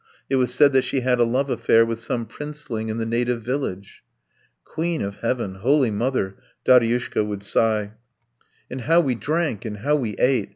It was said that she had a love affair with some princeling in the native village. "Queen of Heaven, Holy Mother..." Daryushka would sigh. "And how we drank! And how we ate!